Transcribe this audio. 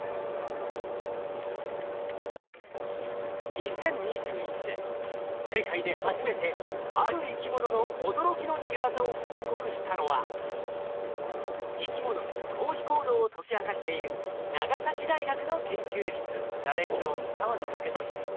２０２１年世界で初めてある生き物の驚きの逃げ技を報告したのは生き物の逃避行動を解き明かしている長崎大学の研究室。